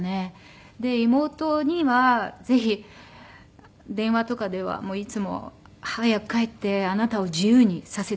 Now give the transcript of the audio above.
妹にはぜひ電話とかではもういつも「早く帰ってあなたを自由にさせてあげたい」。